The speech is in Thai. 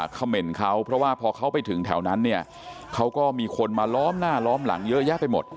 เขม่นเขาเพราะว่าพอเขาไปถึงแถวนั้นเนี่ยเขาก็มีคนมาล้อมหน้าล้อมหลังเยอะแยะไปหมด